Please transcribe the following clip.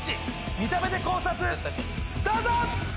見た目で考察どうぞ！